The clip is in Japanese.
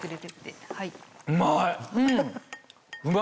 うまい！